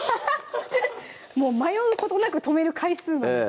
もう迷うことなく止める回数までええ